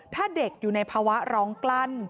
ถ้าเด็กอยู่ในภาวะร้องกลั้น